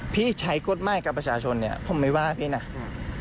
พี่ใช้กฎหมายกับประชาชนเนี้ยผมไม่ว่าพี่น่ะอืม